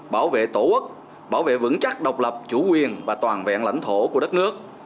bảo vệ tổ quốc bảo vệ vững chắc độc lập chủ quyền và toàn vẹn lãnh thổ của đất nước